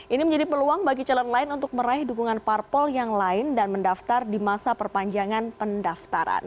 ini menjadi peluang bagi calon lain untuk meraih dukungan parpol yang lain dan mendaftar di masa perpanjangan pendaftaran